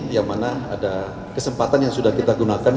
yang mana ada kesempatan yang sudah kita gunakan